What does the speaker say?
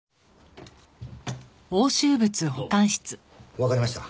わかりました。